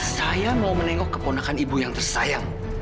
saya mau menengok keponakan ibu yang tersayang